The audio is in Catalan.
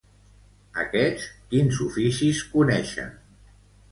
Aquests, quins oficis coneixen?